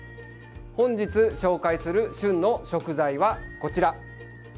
本日紹介する旬の食材はこちら。